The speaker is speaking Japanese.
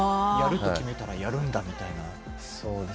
やると決めたらやるんだという。